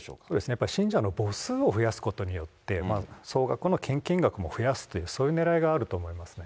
やっぱ信者の母数を増やすことによって、総額の献金額も増やすという、そういうねらいがあると思いますね。